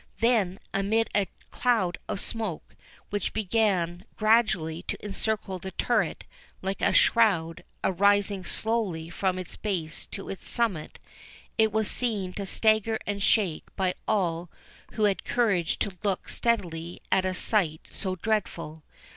Then, amid a cloud of smoke, which began gradually to encircle the turret like a shroud, arising slowly from its base to its summit, it was seen to stagger and shake by all who had courage to look steadily at a sight so dreadful.